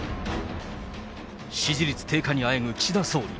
支持率低下にあえぐ岸田総理。